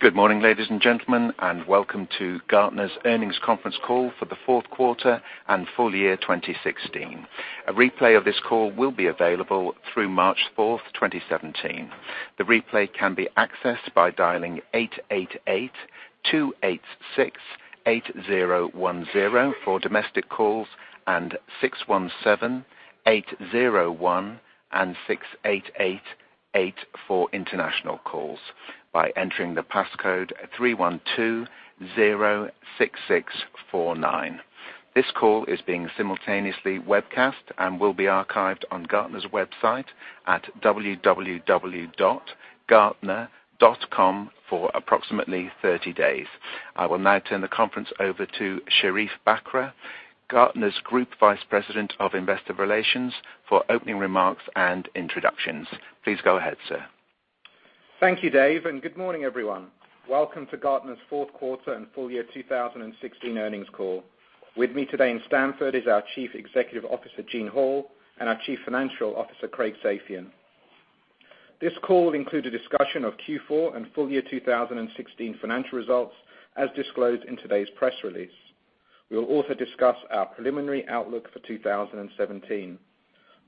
Good morning, ladies and gentlemen, and welcome to Gartner's earnings conference call for the fourth quarter and full year 2016. A replay of this call will be available through March 4th, 2017. The replay can be accessed by dialing 888-286-8010 for domestic calls, and 617-801-6888 for international calls, by entering the passcode 31206649. This call is being simultaneously webcast and will be archived on Gartner's website at www.gartner.com for approximately 30 days. I will now turn the conference over to Sherief Bakr, Gartner's Group Vice President, Investor Relations, for opening remarks and introductions. Please go ahead, sir. Thank you, Dave, and good morning, everyone. Welcome to Gartner's fourth quarter and full year 2016 earnings call. With me today in Stamford is our Chief Executive Officer, Gene Hall, and our Chief Financial Officer, Craig Safian. This call will include a discussion of Q4 and full year 2016 financial results, as disclosed in today's press release. We'll also discuss our preliminary outlook for 2017.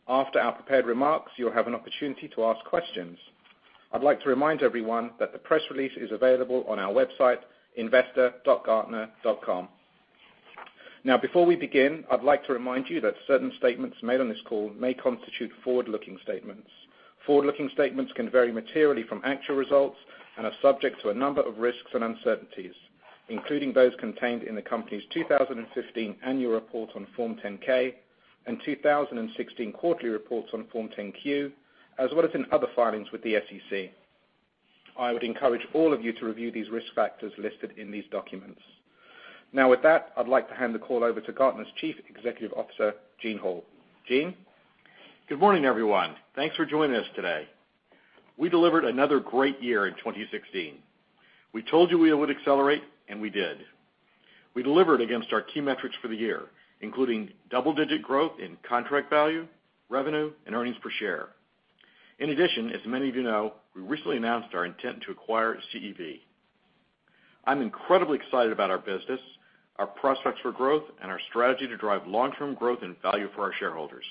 After our prepared remarks, you'll have an opportunity to ask questions. I'd like to remind everyone that the press release is available on our website, investor.gartner.com. Before we begin, I'd like to remind you that certain statements made on this call may constitute forward-looking statements. Forward-looking statements can vary materially from actual results, and are subject to a number of risks and uncertainties, including those contained in the company's 2015 annual report on Form 10-K and 2016 quarterly reports on Form 10-Q, as well as in other filings with the SEC. I would encourage all of you to review these risk factors listed in these documents. With that, I'd like to hand the call over to Gartner's Chief Executive Officer, Gene Hall. Gene? Good morning, everyone. Thanks for joining us today. We delivered another great year in 2016. We told you we would accelerate, we did. We delivered against our key metrics for the year, including double-digit growth in contract value, revenue, and earnings per share. In addition, as many of you know, we recently announced our intent to acquire CEB. I'm incredibly excited about our business, our prospects for growth, and our strategy to drive long-term growth and value for our shareholders.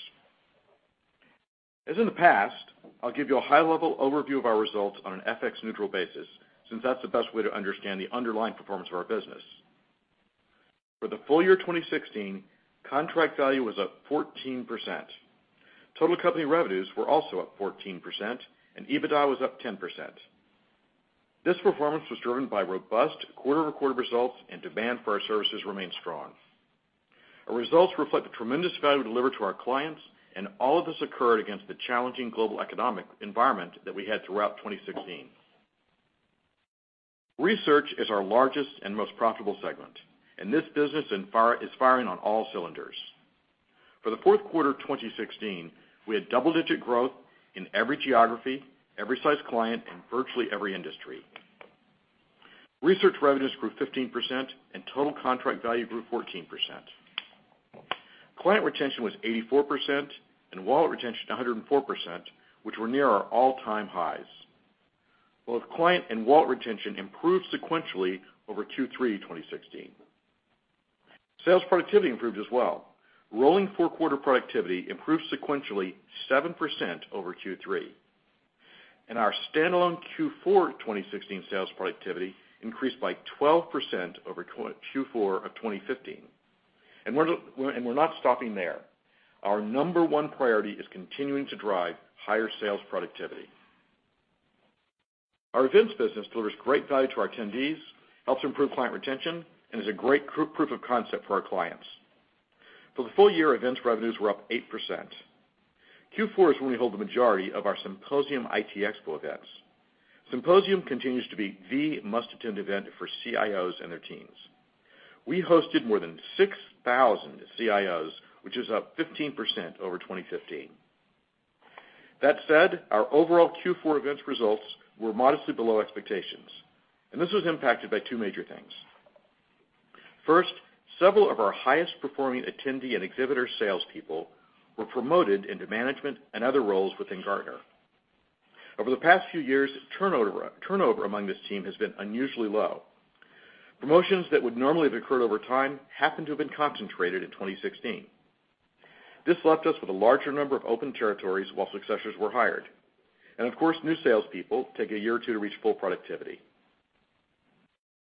As in the past, I'll give you a high-level overview of our results on an FX-neutral basis, since that's the best way to understand the underlying performance of our business. For the full year 2016, contract value was up 14%. Total company revenues were also up 14%, and EBITDA was up 10%. This performance was driven by robust quarter-over-quarter results and demand for our services remained strong. Our results reflect the tremendous value we deliver to our clients. All of this occurred against the challenging global economic environment that we had throughout 2016. Research is our largest and most profitable segment. This business is firing on all cylinders. For the fourth quarter 2016, we had double-digit growth in every geography, every size client, and virtually every industry. Research revenues grew 15%, and total contract value grew 14%. Client retention was 84%, and wallet retention 104%, which were near our all-time highs. Both client and wallet retention improved sequentially over Q3 2016. Sales productivity improved as well. Rolling four-quarter productivity improved sequentially 7% over Q3. Our standalone Q4 2016 sales productivity increased by 12% over Q4 of 2015. We're not stopping there. Our number one priority is continuing to drive higher sales productivity. Our events business delivers great value to our attendees, helps improve client retention, and is a great proof of concept for our clients. For the full year, events revenues were up 8%. Q4 is when we hold the majority of our Symposium/ITxpo events. Symposium continues to be the must-attend event for CIOs and their teams. We hosted more than 6,000 CIOs, which is up 15% over 2015. That said, our overall Q4 events results were modestly below expectations. This was impacted by two major things. First, several of our highest-performing attendee and exhibitor salespeople were promoted into management and other roles within Gartner. Over the past few years, turnover among this team has been unusually low. Promotions that would normally have occurred over time happened to have been concentrated in 2016. This left us with a larger number of open territories while successors were hired. Of course, new salespeople take a year or two to reach full productivity.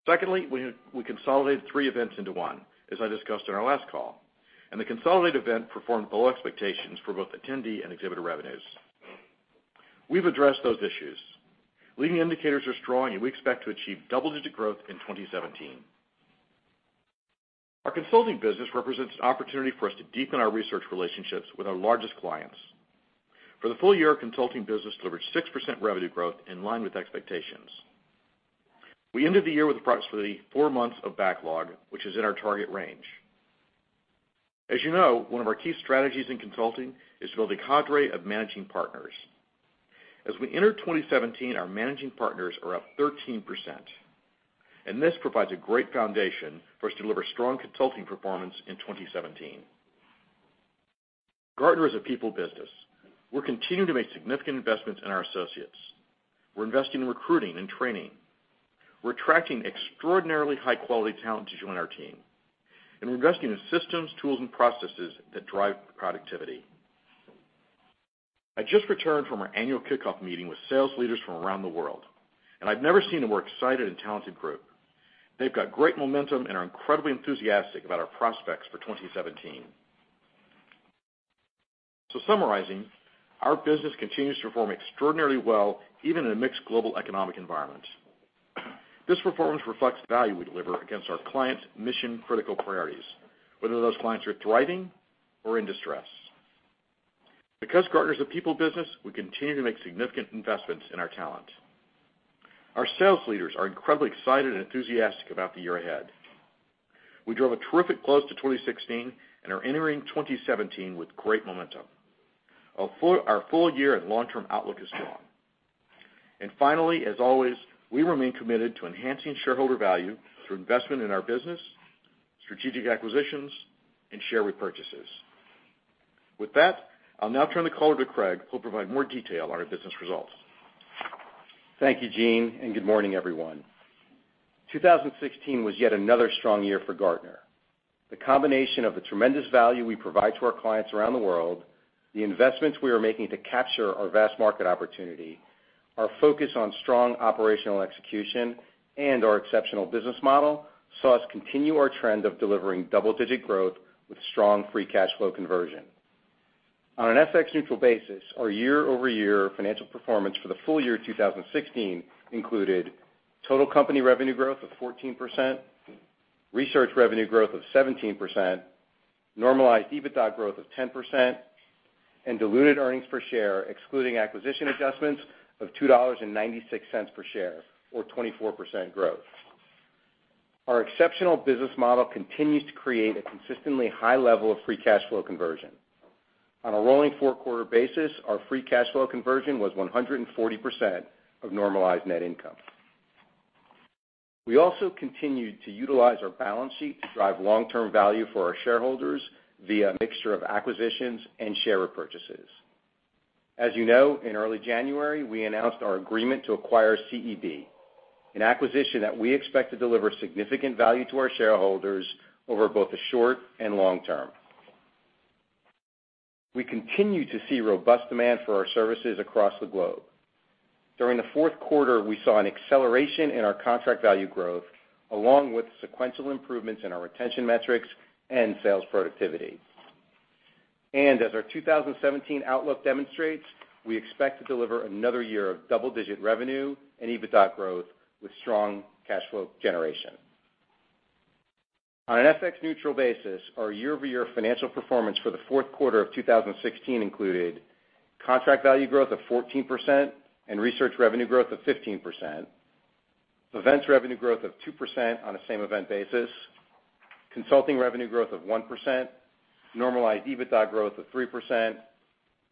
Secondly, we consolidated three events into one, as I discussed on our last call. The consolidated event performed below expectations for both attendee and exhibitor revenues. We've addressed those issues. Leading indicators are strong. We expect to achieve double-digit growth in 2017. Our consulting business represents an opportunity for us to deepen our research relationships with our largest clients. For the full year, our consulting business delivered 6% revenue growth in line with expectations. We ended the year with approximately four months of backlog, which is in our target range. As you know, one of our key strategies in consulting is to build a cadre of managing partners. As we enter 2017, our managing partners are up 13%. This provides a great foundation for us to deliver strong consulting performance in 2017. Gartner is a people business. We're continuing to make significant investments in our associates. We're investing in recruiting and training. We're attracting extraordinarily high-quality talent to join our team. We're investing in systems, tools, and processes that drive productivity. I just returned from our annual kickoff meeting with sales leaders from around the world. I've never seen a more excited and talented group. They've got great momentum and are incredibly enthusiastic about our prospects for 2017. Summarizing, our business continues to perform extraordinarily well, even in a mixed global economic environment. This performance reflects the value we deliver against our clients' mission-critical priorities, whether those clients are thriving or in distress. Because Gartner is a people business, we continue to make significant investments in our talent. Our sales leaders are incredibly excited and enthusiastic about the year ahead. We drove a terrific close to 2016 and are entering 2017 with great momentum. Our full-year and long-term outlook is strong. Finally, as always, we remain committed to enhancing shareholder value through investment in our business, strategic acquisitions, and share repurchases. With that, I'll now turn the call over to Craig, who'll provide more detail on our business results. Thank you, Gene, and good morning, everyone. 2016 was yet another strong year for Gartner. The combination of the tremendous value we provide to our clients around the world, the investments we are making to capture our vast market opportunity, our focus on strong operational execution, and our exceptional business model saw us continue our trend of delivering double-digit growth with strong free cash flow conversion. On an FX-neutral basis, our year-over-year financial performance for the full year 2016 included total company revenue growth of 14%, research revenue growth of 17%, normalized EBITDA growth of 10%, and diluted earnings per share, excluding acquisition adjustments, of $2.96 per share or 24% growth. Our exceptional business model continues to create a consistently high level of free cash flow conversion. On a rolling four-quarter basis, our free cash flow conversion was 140% of normalized net income. We also continued to utilize our balance sheet to drive long-term value for our shareholders via a mixture of acquisitions and share repurchases. As you know, in early January, we announced our agreement to acquire CEB, an acquisition that we expect to deliver significant value to our shareholders over both the short and long term. We continue to see robust demand for our services across the globe. During the fourth quarter, we saw an acceleration in our contract value growth, along with sequential improvements in our retention metrics and sales productivity. As our 2017 outlook demonstrates, we expect to deliver another year of double-digit revenue and EBITDA growth with strong cash flow generation. On an FX-neutral basis, our year-over-year financial performance for the fourth quarter of 2016 included contract value growth of 14% and research revenue growth of 15%, events revenue growth of 2% on a same-event basis, consulting revenue growth of 1%, normalized EBITDA growth of 3%,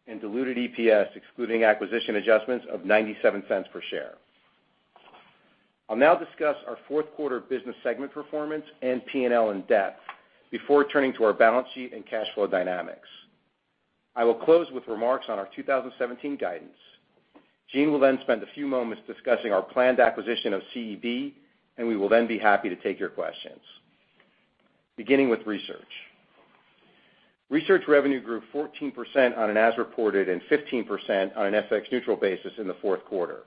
and diluted EPS, excluding acquisition adjustments, of $0.97 per share. I'll now discuss our fourth quarter business segment performance and P&L in depth before turning to our balance sheet and cash flow dynamics. I will close with remarks on our 2017 guidance. Gene will then spend a few moments discussing our planned acquisition of CEB, and we will then be happy to take your questions. Beginning with research. Research revenue grew 14% on an as-reported and 15% on an FX-neutral basis in the fourth quarter.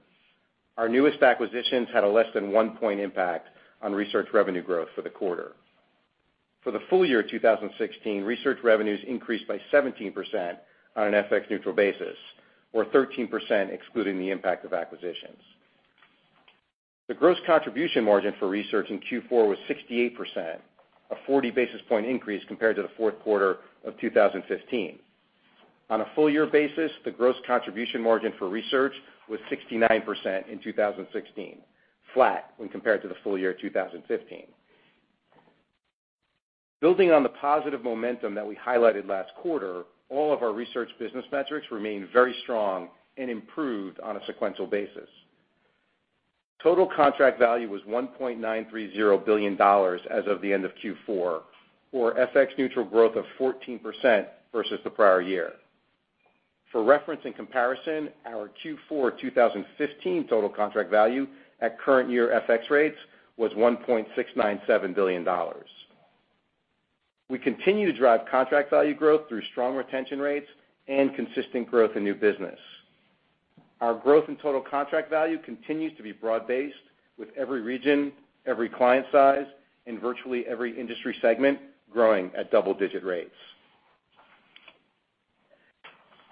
Our newest acquisitions had a less than one point impact on research revenue growth for the quarter. For the full year 2016, research revenues increased by 17% on an FX-neutral basis or 13% excluding the impact of acquisitions. The gross contribution margin for research in Q4 was 68%, a 40-basis-point increase compared to the fourth quarter of 2015. On a full-year basis, the gross contribution margin for research was 69% in 2016, flat when compared to the full year 2015. Building on the positive momentum that we highlighted last quarter, all of our research business metrics remained very strong and improved on a sequential basis. Total contract value was $1.930 billion as of the end of Q4 or FX-neutral growth of 14% versus the prior year. For reference and comparison, our Q4 2015 total contract value at current year FX rates was $1.697 billion. We continue to drive contract value growth through strong retention rates and consistent growth in new business. Our growth in total contract value continues to be broad-based with every region, every client size, and virtually every industry segment growing at double-digit rates.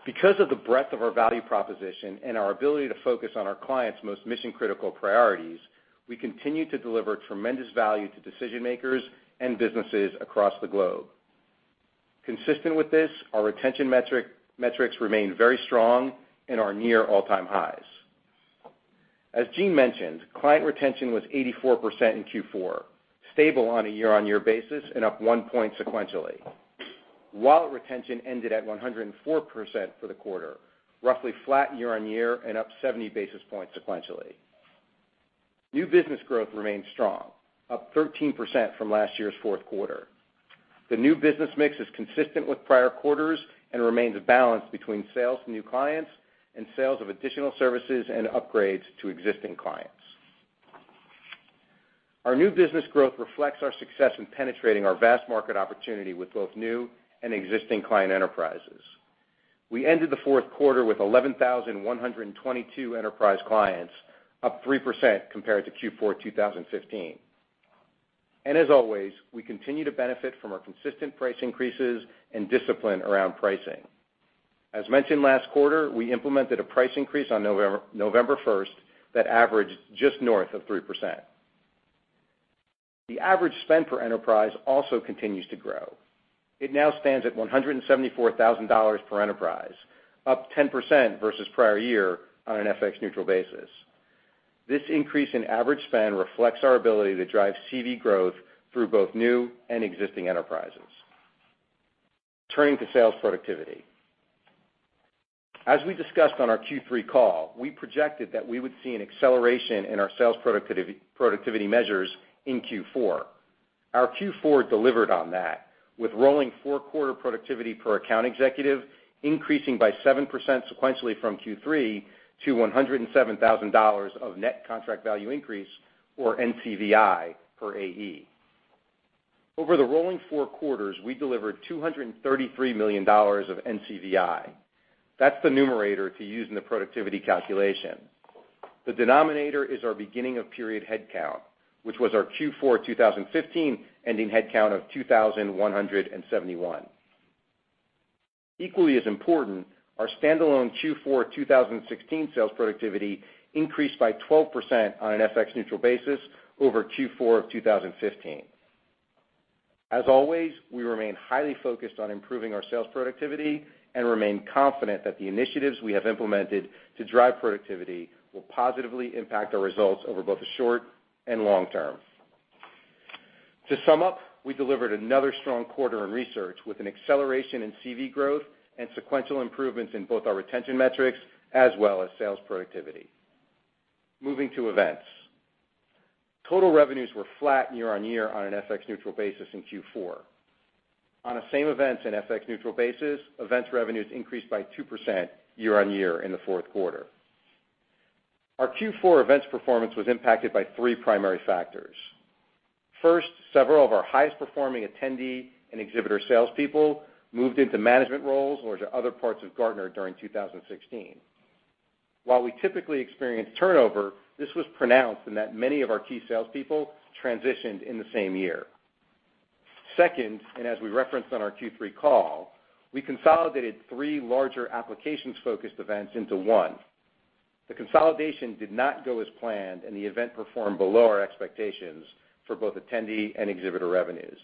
Because of the breadth of our value proposition and our ability to focus on our clients' most mission-critical priorities, we continue to deliver tremendous value to decision-makers and businesses across the globe. Consistent with this, our retention metrics remain very strong and are near all-time highs. As Gene mentioned, client retention was 84% in Q4, stable on a year-on-year basis and up one point sequentially. Wallet retention ended at 104% for the quarter, roughly flat year-on-year and up 70 basis points sequentially. New business growth remains strong, up 13% from last year's fourth quarter. The new business mix is consistent with prior quarters and remains balanced between sales to new clients and sales of additional services and upgrades to existing clients. Our new business growth reflects our success in penetrating our vast market opportunity with both new and existing client enterprises. We ended the fourth quarter with 11,122 enterprise clients, up 3% compared to Q4 2015. As always, we continue to benefit from our consistent price increases and discipline around pricing. As mentioned last quarter, we implemented a price increase on November 1st that averaged just north of 3%. The average spend per enterprise also continues to grow. It now stands at $174,000 per enterprise, up 10% versus prior year on an FX-neutral basis. This increase in average spend reflects our ability to drive CV growth through both new and existing enterprises. Turning to sales productivity. As we discussed on our Q3 call, we projected that we would see an acceleration in our sales productivity measures in Q4. Our Q4 delivered on that, with rolling four-quarter productivity per account executive increasing by 7% sequentially from Q3 to $107,000 of net contract value increase, or NCVI per AE. Over the rolling four quarters, we delivered $233 million of NCVI. That's the numerator to use in the productivity calculation. The denominator is our beginning of period headcount, which was our Q4 2015 ending headcount of 2,171. Equally as important, our standalone Q4 2016 sales productivity increased by 12% on an FX-neutral basis over Q4 of 2015. As always, we remain highly focused on improving our sales productivity and remain confident that the initiatives we have implemented to drive productivity will positively impact our results over both the short and long term. To sum up, we delivered another strong quarter in research with an acceleration in CV growth and sequential improvements in both our retention metrics as well as sales productivity. Moving to events. Total revenues were flat year-on-year on an FX-neutral basis in Q4. On a same event and FX-neutral basis, events revenues increased by 2% year-on-year in the fourth quarter. Our Q4 events performance was impacted by three primary factors. First, several of our highest-performing attendee and exhibitor salespeople moved into management roles or to other parts of Gartner during 2016. While we typically experience turnover, this was pronounced in that many of our key salespeople transitioned in the same year. Second, as we referenced on our Q3 call, we consolidated three larger applications-focused events into one. The consolidation did not go as planned, and the event performed below our expectations for both attendee and exhibitor revenues.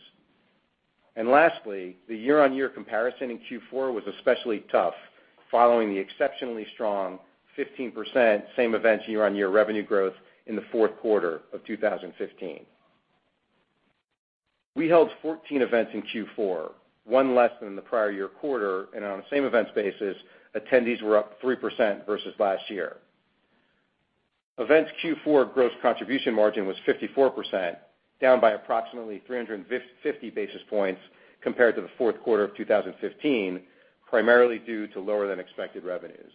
Lastly, the year-on-year comparison in Q4 was especially tough following the exceptionally strong 15% same events year-on-year revenue growth in the fourth quarter of 2015. We held 14 events in Q4, one less than the prior year quarter, and on a same events basis, attendees were up 3% versus last year. Events' Q4 gross contribution margin was 54%, down by approximately 350 basis points compared to the fourth quarter of 2015, primarily due to lower-than-expected revenues.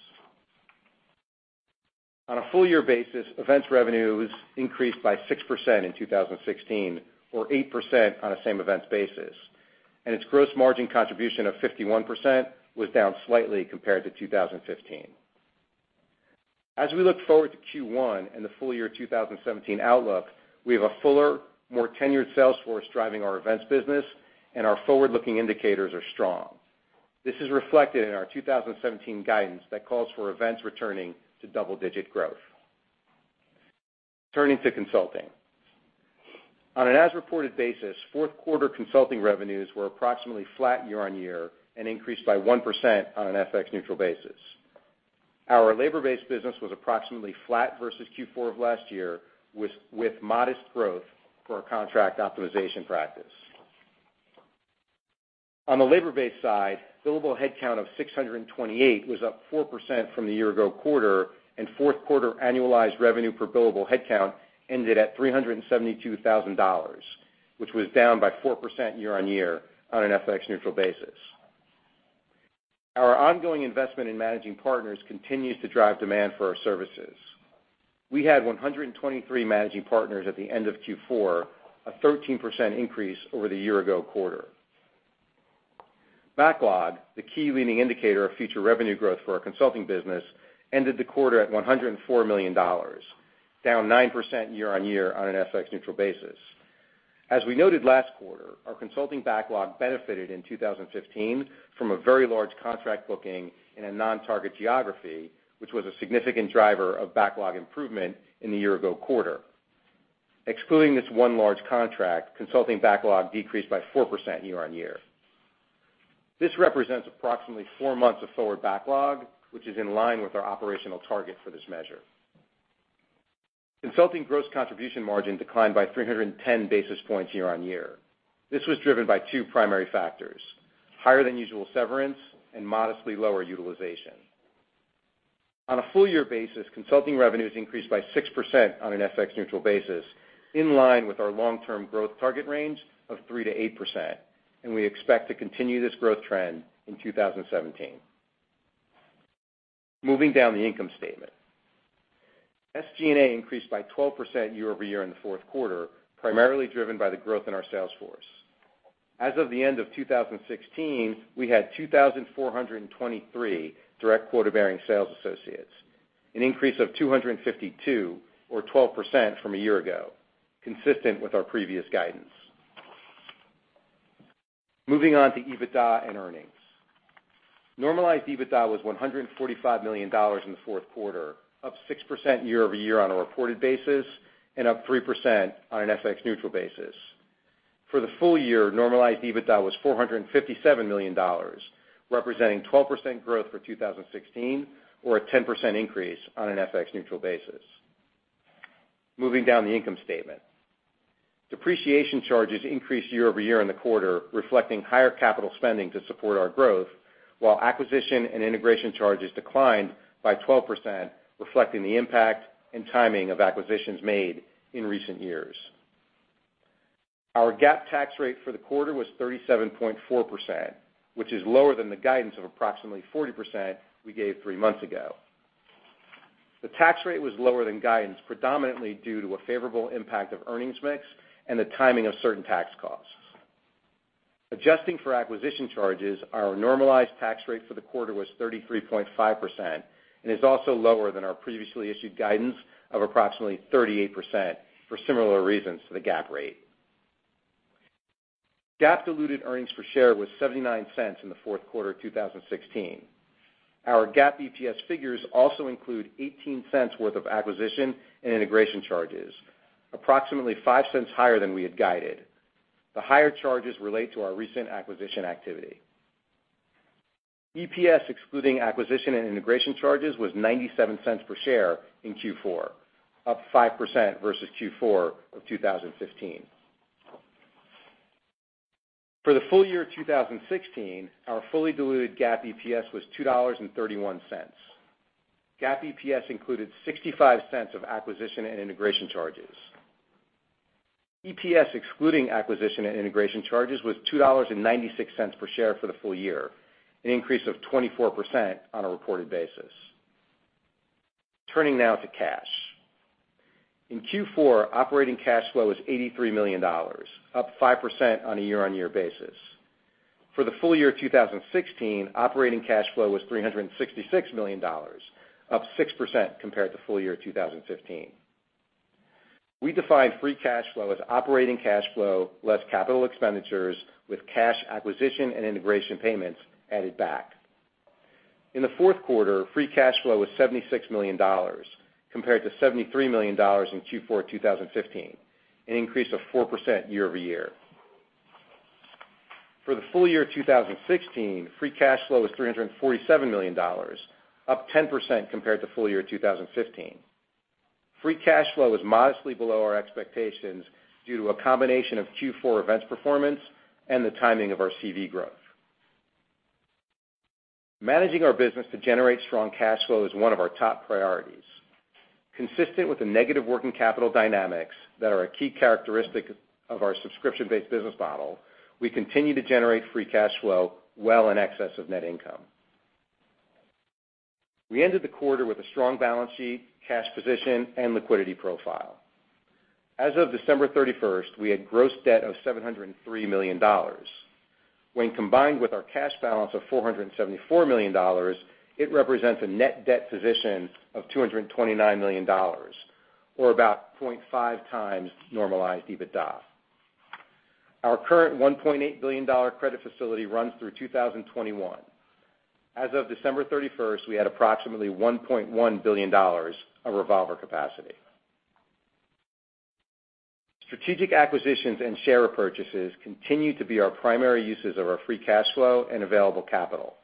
On a full-year basis, events revenues increased by 6% in 2016, or 8% on a same events basis, and its gross margin contribution of 51% was down slightly compared to 2015. As we look forward to Q1 and the full-year 2017 outlook, we have a fuller, more tenured sales force driving our events business, and our forward-looking indicators are strong. This is reflected in our 2017 guidance that calls for events returning to double-digit growth. Turning to consulting. On an as-reported basis, fourth quarter consulting revenues were approximately flat year-on-year and increased by 1% on an FX-neutral basis. Our labor-based business was approximately flat versus Q4 of last year, with modest growth for our contract optimization practice. On the labor-based side, billable headcount of 628 was up 4% from the year-ago quarter, and fourth quarter annualized revenue per billable headcount ended at $372,000, which was down by 4% year-on-year on an FX-neutral basis. Our ongoing investment in managing partners continues to drive demand for our services. We had 123 managing partners at the end of Q4, a 13% increase over the year-ago quarter. Backlog, the key leading indicator of future revenue growth for our consulting business, ended the quarter at $104 million, down 9% year-on-year on an FX-neutral basis. As we noted last quarter, our consulting backlog benefited in 2015 from a very large contract booking in a non-target geography, which was a significant driver of backlog improvement in the year-ago quarter. Excluding this one large contract, consulting backlog decreased by 4% year-on-year. This represents approximately four months of forward backlog, which is in line with our operational target for this measure. Consulting gross contribution margin declined by 310 basis points year-on-year. This was driven by two primary factors. Higher than usual severance and modestly lower utilization. On a full-year basis, consulting revenues increased by 6% on an FX-neutral basis, in line with our long-term growth target range of 3%-8%, and we expect to continue this growth trend in 2017. Moving down the income statement. SG&A increased by 12% year-over-year in the fourth quarter, primarily driven by the growth in our sales force. As of the end of 2016, we had 2,423 direct quota-bearing sales associates, an increase of 252 or 12% from a year ago, consistent with our previous guidance. Moving on to EBITDA and earnings. Normalized EBITDA was $145 million in the fourth quarter, up 6% year-over-year on a reported basis and up 3% on an FX-neutral basis. For the full year, normalized EBITDA was $457 million, representing 12% growth for 2016, or a 10% increase on an FX-neutral basis. Moving down the income statement. Depreciation charges increased year-over-year in the quarter, reflecting higher capital spending to support our growth, while acquisition and integration charges declined by 12%, reflecting the impact and timing of acquisitions made in recent years. Our GAAP tax rate for the quarter was 37.4%, which is lower than the guidance of approximately 40% we gave three months ago. The tax rate was lower than guidance predominantly due to a favorable impact of earnings mix and the timing of certain tax costs. Adjusting for acquisition charges, our normalized tax rate for the quarter was 33.5% and is also lower than our previously issued guidance of approximately 38%, for similar reasons to the GAAP rate. GAAP diluted earnings per share was $0.79 in the fourth quarter 2016. Our GAAP EPS figures also include $0.18 worth of acquisition and integration charges, approximately $0.05 higher than we had guided. The higher charges relate to our recent acquisition activity. EPS, excluding acquisition and integration charges, was $0.97 per share in Q4, up 5% versus Q4 of 2015. For the full year 2016, our fully diluted GAAP EPS was $2.31. GAAP EPS included $0.65 of acquisition and integration charges. EPS, excluding acquisition and integration charges, was $2.96 per share for the full year, an increase of 24% on a reported basis. Turning now to cash. In Q4, operating cash flow was $83 million, up 5% on a year-on-year basis. For the full year 2016, operating cash flow was $366 million, up 6% compared to full year 2015. We define free cash flow as operating cash flow less capital expenditures with cash acquisition and integration payments added back. In the fourth quarter, free cash flow was $76 million compared to $73 million in Q4 2015, an increase of 4% year-over-year. For the full year 2016, free cash flow was $347 million, up 10% compared to full year 2015. Free cash flow was modestly below our expectations due to a combination of Q4 events performance and the timing of our CV growth. Managing our business to generate strong cash flow is one of our top priorities. Consistent with the negative working capital dynamics that are a key characteristic of our subscription-based business model, we continue to generate free cash flow well in excess of net income. We ended the quarter with a strong balance sheet, cash position, and liquidity profile. As of December 31st, we had gross debt of $703 million. When combined with our cash balance of $474 million, it represents a net debt position of $229 million, or about 0.5 times normalized EBITDA. Our current $1.8 billion credit facility runs through 2021. As of December 31st, we had approximately $1.1 billion of revolver capacity. Strategic acquisitions and share repurchases continue to be our primary uses of our free cash flow and available capital.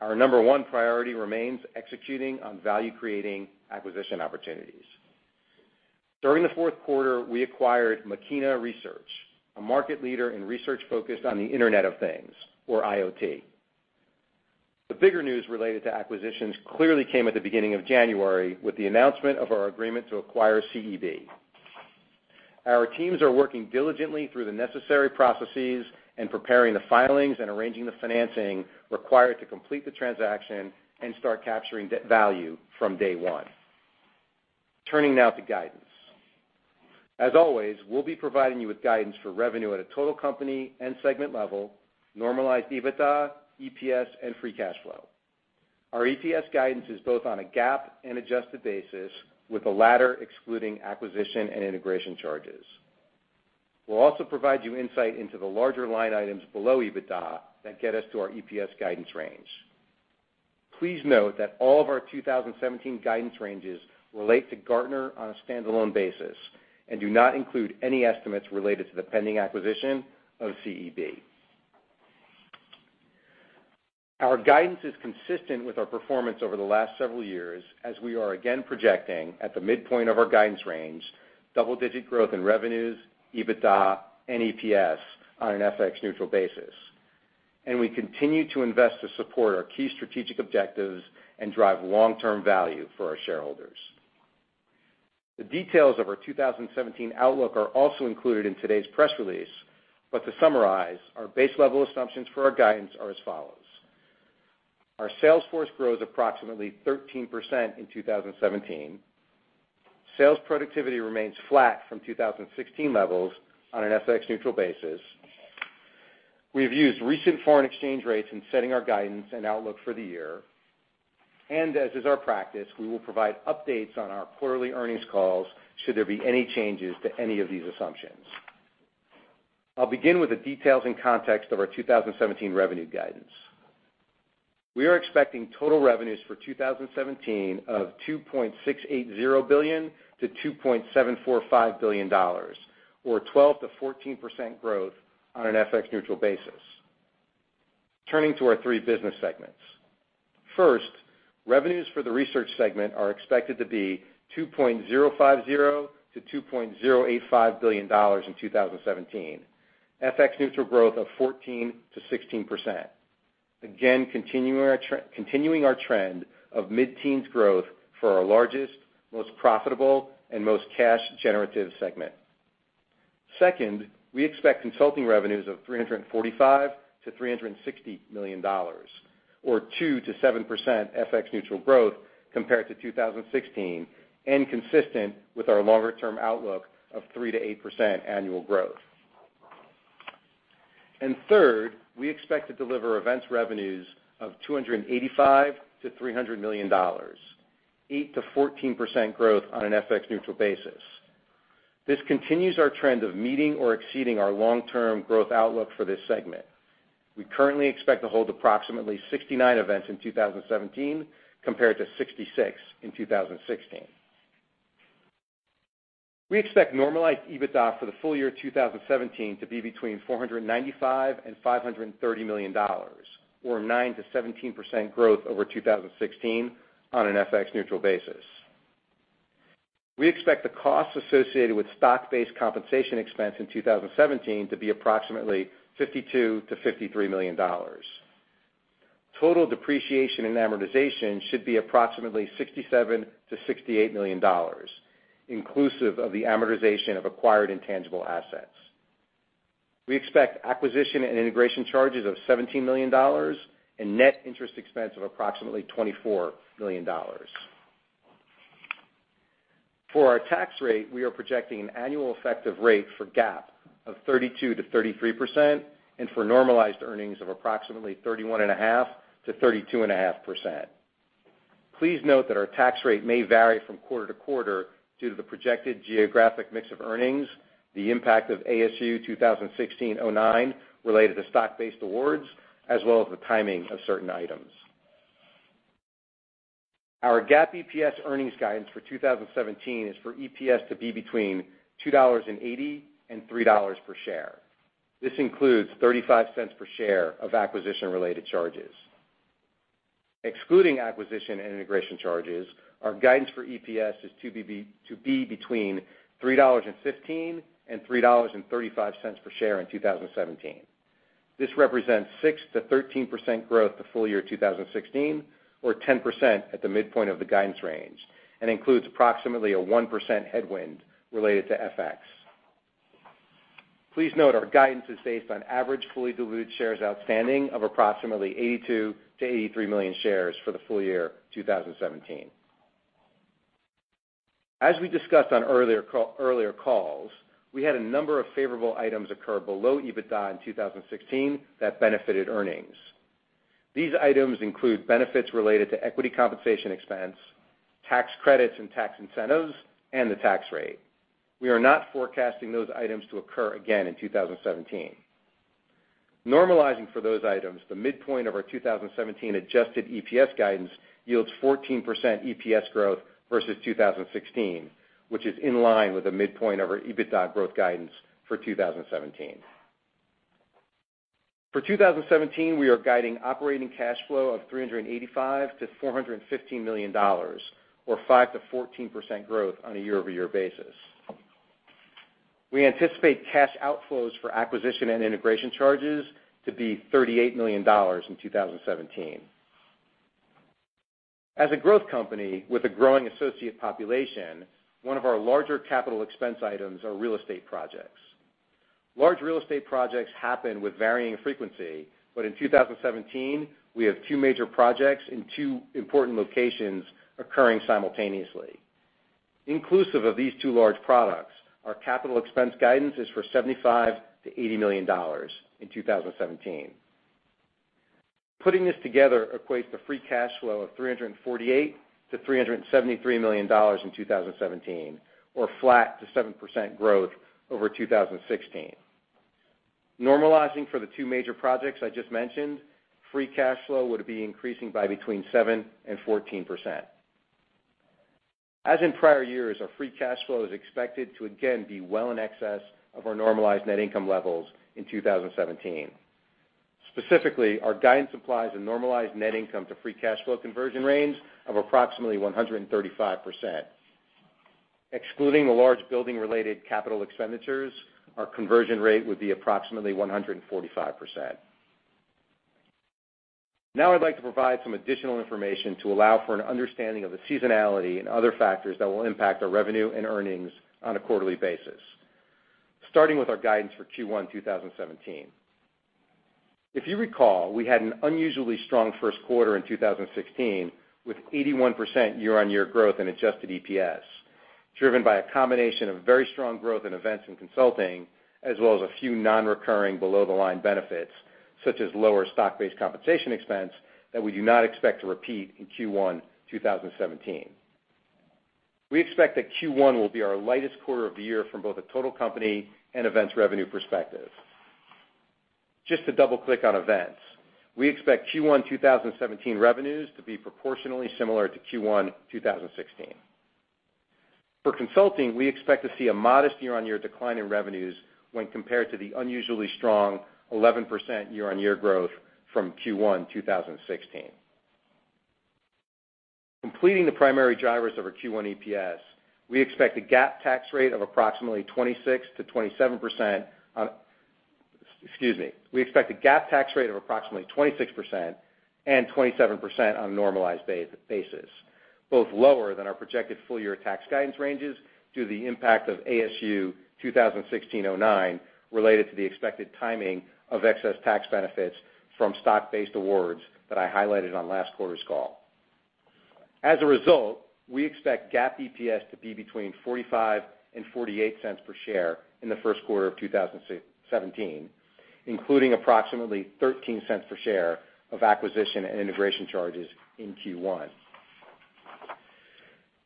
Our number one priority remains executing on value-creating acquisition opportunities. During the fourth quarter, we acquired Machina Research, a market leader in research focused on the Internet of Things, or IoT. The bigger news related to acquisitions clearly came at the beginning of January with the announcement of our agreement to acquire CEB. Our teams are working diligently through the necessary processes and preparing the filings and arranging the financing required to complete the transaction and start capturing value from day one. Turning now to guidance. As always, we'll be providing you with guidance for revenue at a total company and segment level, normalized EBITDA, EPS, and free cash flow. Our EPS guidance is both on a GAAP and adjusted basis, with the latter excluding acquisition and integration charges. We'll also provide you insight into the larger line items below EBITDA that get us to our EPS guidance range. Please note that all of our 2017 guidance ranges relate to Gartner on a standalone basis and do not include any estimates related to the pending acquisition of CEB. Our guidance is consistent with our performance over the last several years, as we are again projecting, at the midpoint of our guidance range, double-digit growth in revenues, EBITDA, and EPS on an FX-neutral basis. We continue to invest to support our key strategic objectives and drive long-term value for our shareholders. The details of our 2017 outlook are also included in today's press release, but to summarize, our base level assumptions for our guidance are as follows: Our sales force grows approximately 13% in 2017. Sales productivity remains flat from 2016 levels on an FX-neutral basis. We've used recent foreign exchange rates in setting our guidance and outlook for the year. As is our practice, we will provide updates on our quarterly earnings calls should there be any changes to any of these assumptions. I'll begin with the details and context of our 2017 revenue guidance. We are expecting total revenues for 2017 of $2.680 billion-$2.745 billion, or 12%-14% growth on an FX-neutral basis. Turning to our three business segments. First, revenues for the research segment are expected to be $2.050 billion-$2.085 billion in 2017, FX-neutral growth of 14%-16%. Again, continuing our trend of mid-teens growth for our largest, most profitable, and most cash generative segment. Second, we expect consulting revenues of $345 million-$360 million, or 2%-7% FX-neutral growth compared to 2016, and consistent with our longer-term outlook of 3%-8% annual growth. Third, we expect to deliver events revenues of $285 million-$300 million, 8%-14% growth on an FX-neutral basis. This continues our trend of meeting or exceeding our long-term growth outlook for this segment. We currently expect to hold approximately 69 events in 2017, compared to 66 in 2016. We expect normalized EBITDA for the full year 2017 to be between $495 million and $530 million, or 9%-17% growth over 2016 on an FX-neutral basis. We expect the costs associated with stock-based compensation expense in 2017 to be approximately $52 million-$53 million. Total depreciation and amortization should be approximately $67 million-$68 million, inclusive of the amortization of acquired intangible assets. We expect acquisition and integration charges of $17 million and net interest expense of approximately $24 million. For our tax rate, we are projecting an annual effective rate for GAAP of 32%-33%, and for normalized earnings of approximately 31.5%-32.5%. Please note that our tax rate may vary from quarter to quarter due to the projected geographic mix of earnings, the impact of ASU 2016-09 related to stock-based awards, as well as the timing of certain items. Our GAAP EPS earnings guidance for 2017 is for EPS to be between $2.80 and $3.00 per share. This includes $0.35 per share of acquisition-related charges. Excluding acquisition and integration charges, our guidance for EPS is to be between $3.15 and $3.35 per share in 2017. This represents 6%-13% growth to full year 2016, or 10% at the midpoint of the guidance range, and includes approximately a 1% headwind related to FX. Please note our guidance is based on average fully diluted shares outstanding of approximately 82 million-83 million shares for the full year 2017. As we discussed on earlier calls, we had a number of favorable items occur below EBITDA in 2016 that benefited earnings. These items include benefits related to equity compensation expense, tax credits and tax incentives, and the tax rate. We are not forecasting those items to occur again in 2017. Normalizing for those items, the midpoint of our 2017 adjusted EPS guidance yields 14% EPS growth versus 2016, which is in line with the midpoint of our EBITDA growth guidance for 2017. For 2017, we are guiding operating cash flow of $385 million-$415 million, or 5%-14% growth on a year-over-year basis. We anticipate cash outflows for acquisition and integration charges to be $38 million in 2017. As a growth company with a growing associate population, one of our larger capital expense items are real estate projects. Large real estate projects happen with varying frequency, but in 2017, we have two major projects in two important locations occurring simultaneously. Inclusive of these two large products, our capital expense guidance is for $75 million-$80 million in 2017. Putting this together equates to free cash flow of $348 million-$373 million in 2017, or flat to 7% growth over 2016. Normalizing for the two major projects I just mentioned, free cash flow would be increasing by between 7% and 14%. As in prior years, our free cash flow is expected to again be well in excess of our normalized net income levels in 2017. Specifically, our guidance applies a normalized net income to free cash flow conversion range of approximately 135%. Excluding the large building-related capital expenditures, our conversion rate would be approximately 145%. Now I'd like to provide some additional information to allow for an understanding of the seasonality and other factors that will impact our revenue and earnings on a quarterly basis. Starting with our guidance for Q1 2017. If you recall, we had an unusually strong first quarter in 2016, with 81% year-on-year growth in adjusted EPS, driven by a combination of very strong growth in events and consulting, as well as a few non-recurring below-the-line benefits, such as lower stock-based compensation expense that we do not expect to repeat in Q1 2017. We expect that Q1 will be our lightest quarter of the year from both a total company and events revenue perspective. Just to double-click on events, we expect Q1 2017 revenues to be proportionally similar to Q1 2016. For consulting, we expect to see a modest year-on-year decline in revenues when compared to the unusually strong 11% year-on-year growth from Q1 2016. Completing the primary drivers of our Q1 EPS, we expect a GAAP tax rate of approximately 26% and 27% on a normalized basis, both lower than our projected full-year tax guidance ranges due to the impact of ASU 2016-09, related to the expected timing of excess tax benefits from stock-based awards that I highlighted on last quarter's call. As a result, we expect GAAP EPS to be between $0.45 and $0.48 per share in the first quarter of 2017, including approximately $0.13 per share of acquisition and integration charges in Q1.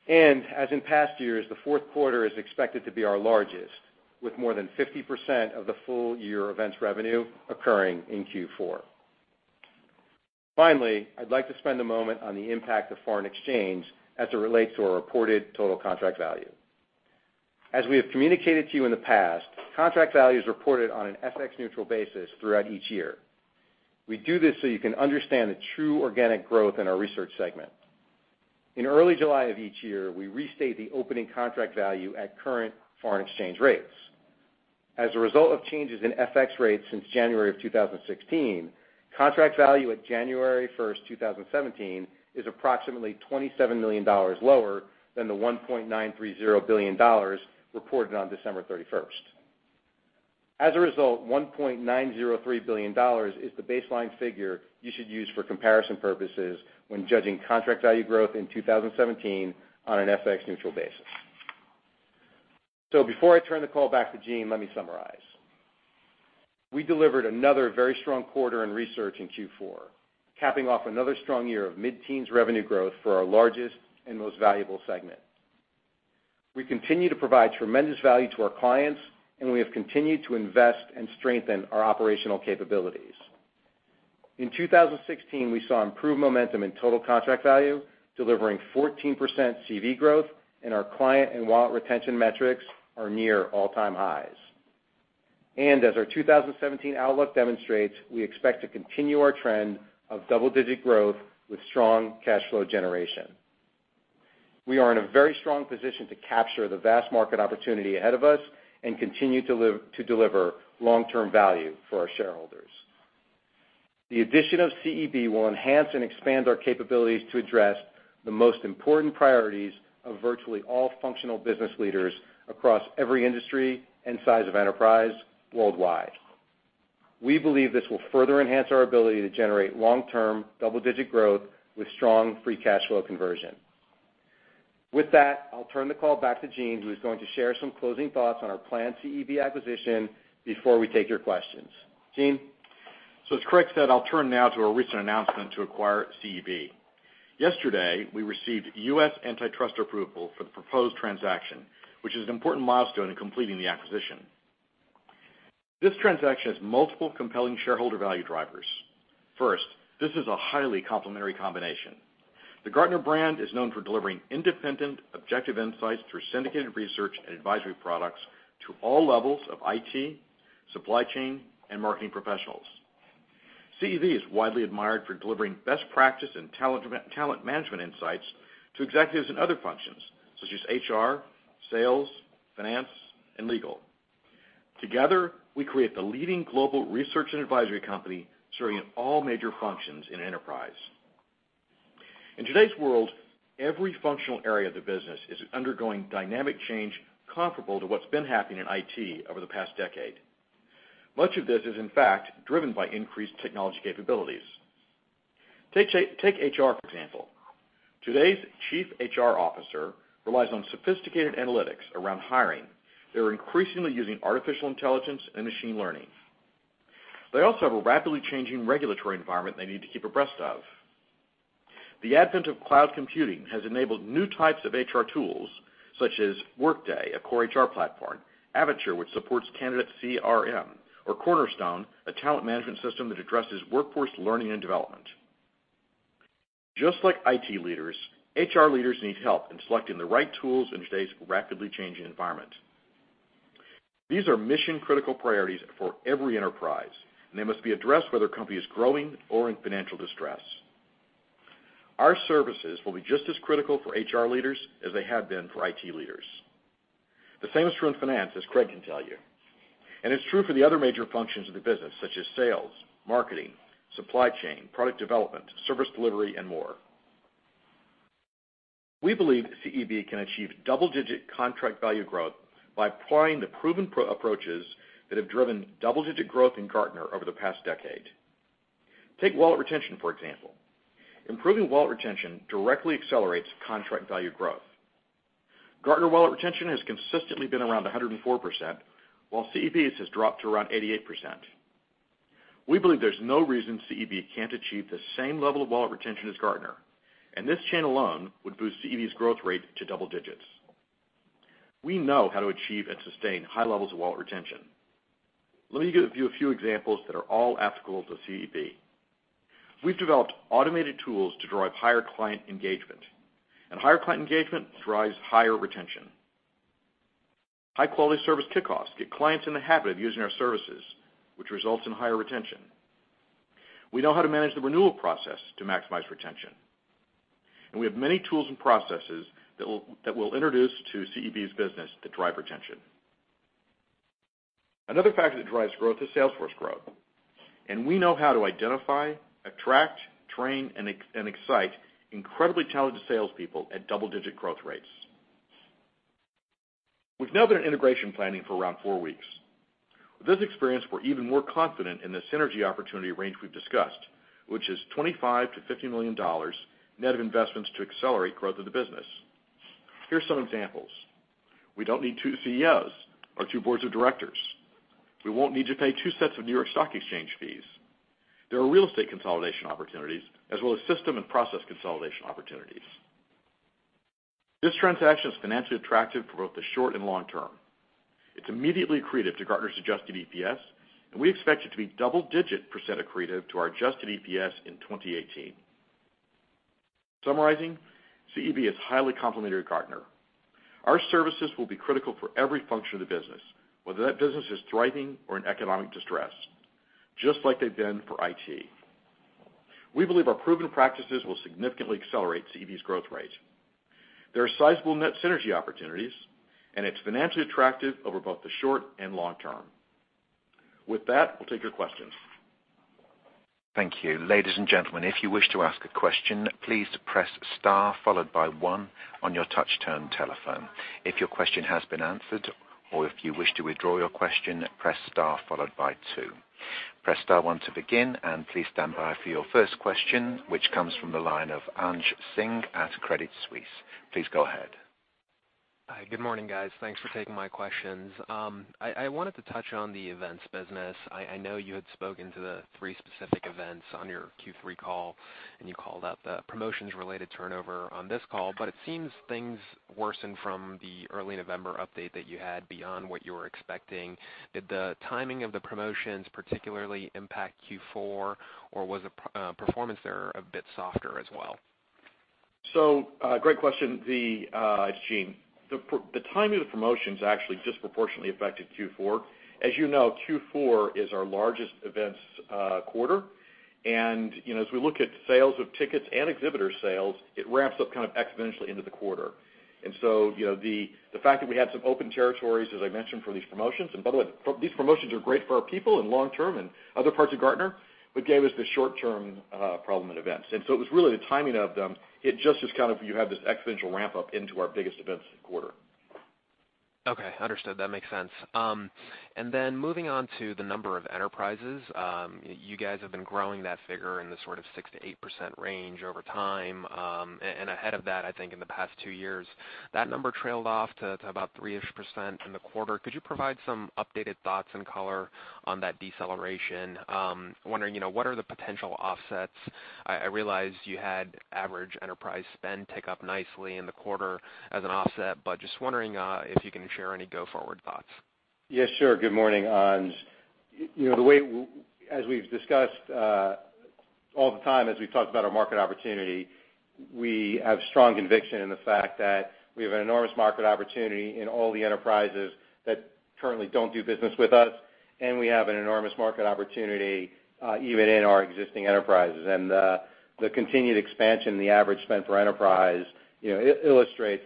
As in past years, the fourth quarter is expected to be our largest, with more than 50% of the full-year events revenue occurring in Q4. Finally, I'd like to spend a moment on the impact of foreign exchange as it relates to our reported total contract value. As we have communicated to you in the past, contract value is reported on an FX-neutral basis throughout each year. We do this so you can understand the true organic growth in our research segment. In early July of each year, we restate the opening contract value at current foreign exchange rates. As a result of changes in FX rates since January of 2016, contract value at January 1st, 2017, is approximately $27 million lower than the $1.930 billion reported on December 31st. As a result, $1.903 billion is the baseline figure you should use for comparison purposes when judging contract value growth in 2017 on an FX-neutral basis. Before I turn the call back to Gene, let me summarize. We delivered another very strong quarter in research in Q4, capping off another strong year of mid-teens revenue growth for our largest and most valuable segment. We continue to provide tremendous value to our clients, and we have continued to invest and strengthen our operational capabilities. In 2016, we saw improved momentum in total contract value, delivering 14% CV growth, and our client and wallet retention metrics are near all-time highs. As our 2017 outlook demonstrates, we expect to continue our trend of double-digit growth with strong cash flow generation. We are in a very strong position to capture the vast market opportunity ahead of us and continue to deliver long-term value for our shareholders. The addition of CEB will enhance and expand our capabilities to address the most important priorities of virtually all functional business leaders across every industry and size of enterprise worldwide. We believe this will further enhance our ability to generate long-term, double-digit growth with strong free cash flow conversion. With that, I'll turn the call back to Gene, who is going to share some closing thoughts on our planned CEB acquisition before we take your questions. Gene? As Craig said, I'll turn now to our recent announcement to acquire CEB. Yesterday, we received U.S. antitrust approval for the proposed transaction, which is an important milestone in completing the acquisition. This transaction has multiple compelling shareholder value drivers. First, this is a highly complementary combination. The Gartner brand is known for delivering independent, objective insights through syndicated research and advisory products to all levels of IT, supply chain, and marketing professionals. CEB is widely admired for delivering best practice and talent management insights to executives in other functions, such as HR, sales, finance, and legal. Together, we create the leading global research and advisory company serving in all major functions in enterprise. In today's world, every functional area of the business is undergoing dynamic change comparable to what's been happening in IT over the past decade. Much of this is in fact driven by increased technology capabilities. Take HR, for example. Today's chief HR officer relies on sophisticated analytics around hiring. They're increasingly using artificial intelligence and machine learning. They also have a rapidly changing regulatory environment they need to keep abreast of. The advent of cloud computing has enabled new types of HR tools such as Workday, a core HR platform, Avature, which supports candidate CRM, or Cornerstone, a talent management system that addresses workforce learning and development. Just like IT leaders, HR leaders need help in selecting the right tools in today's rapidly changing environment. These are mission-critical priorities for every enterprise, and they must be addressed whether a company is growing or in financial distress. Our services will be just as critical for HR leaders as they have been for IT leaders. The same is true in finance, as Craig can tell you, and it's true for the other major functions of the business, such as sales, marketing, supply chain, product development, service delivery, and more. We believe CEB can achieve double-digit contract value growth by applying the proven approaches that have driven double-digit growth in Gartner over the past decade. Take wallet retention, for example. Improving wallet retention directly accelerates contract value growth. Gartner wallet retention has consistently been around 104%, while CEB's has dropped to around 88%. We believe there's no reason CEB can't achieve the same level of wallet retention as Gartner, and this channel alone would boost CEB's growth rate to double digits. We know how to achieve and sustain high levels of wallet retention. Let me give you a few examples that are all applicable to CEB. We've developed automated tools to drive higher client engagement, and higher client engagement drives higher retention. High-quality service kick-offs get clients in the habit of using our services, which results in higher retention. We know how to manage the renewal process to maximize retention, and we have many tools and processes that we'll introduce to CEB's business to drive retention. Another factor that drives growth is sales force growth, and we know how to identify, attract, train, and excite incredibly talented salespeople at double-digit growth rates. We've now been in integration planning for around four weeks. With this experience, we're even more confident in the synergy opportunity range we've discussed, which is $25 million-$50 million net of investments to accelerate growth of the business. Here's some examples. We don't need two CEOs or two boards of directors. We won't need to pay two sets of New York Stock Exchange fees. There are real estate consolidation opportunities, as well as system and process consolidation opportunities. This transaction is financially attractive for both the short and long term. It's immediately accretive to Gartner's adjusted EPS, and we expect it to be double-digit % accretive to our adjusted EPS in 2018. Summarizing, CEB is highly complementary to Gartner. Our services will be critical for every function of the business, whether that business is thriving or in economic distress, just like they've been for IT. We believe our proven practices will significantly accelerate CEB's growth rate. There are sizable net synergy opportunities, and it's financially attractive over both the short and long term. With that, we'll take your questions. Thank you. Ladies and gentlemen, if you wish to ask a question, please press star followed by one on your touchtone telephone. If your question has been answered or if you wish to withdraw your question, press star followed by two. Press star one to begin, and please stand by for your first question, which comes from the line of Anj Singh at Credit Suisse. Please go ahead. Hi. Good morning, guys. Thanks for taking my questions. I wanted to touch on the events business. I know you had spoken to the three specific events on your Q3 call. You called out the promotions-related turnover on this call, but it seems things worsened from the early November update that you had beyond what you were expecting. Did the timing of the promotions particularly impact Q4, or was the performance there a bit softer as well? Great question. It's Gene. The timing of the promotions actually disproportionately affected Q4. As you know, Q4 is our largest events quarter. As we look at sales of tickets and exhibitor sales, it ramps up kind of exponentially into the quarter. The fact that we had some open territories, as I mentioned, for these promotions, and by the way, these promotions are great for our people in the long term and other parts of Gartner, but gave us the short-term problem at events. It was really the timing of them. It just is kind of, you have this exponential ramp-up into our biggest events quarter. Okay. Understood. That makes sense. Moving on to the number of enterprises. You guys have been growing that figure in the sort of 6% to 8% range over time. Ahead of that, I think in the past two years, that number trailed off to about 3-ish% in the quarter. Could you provide some updated thoughts and color on that deceleration? I'm wondering, what are the potential offsets? I realize you had average enterprise spend tick up nicely in the quarter as an offset, just wondering if you can share any go-forward thoughts. Yes, sure. Good morning, Anj. As we've discussed, all the time as we've talked about our market opportunity, we have strong conviction in the fact that we have an enormous market opportunity in all the enterprises that currently don't do business with us, and we have an enormous market opportunity even in our existing enterprises. The continued expansion, the average spend for enterprise, illustrates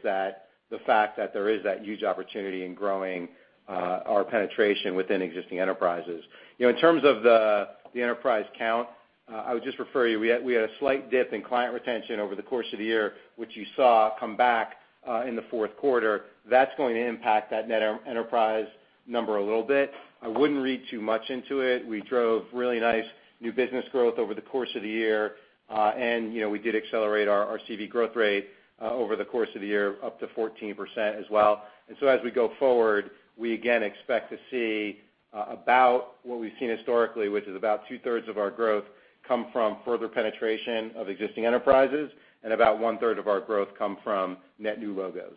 the fact that there is that huge opportunity in growing our penetration within existing enterprises. In terms of the enterprise count, I would just refer you, we had a slight dip in client retention over the course of the year, which you saw come back in the fourth quarter. That's going to impact that net enterprise number a little bit. I wouldn't read too much into it. We drove really nice new business growth over the course of the year, and we did accelerate our CV growth rate over the course of the year up to 14% as well. As we go forward, we again expect to see about what we've seen historically, which is about two-thirds of our growth come from further penetration of existing enterprises and about one-third of our growth come from net new logos.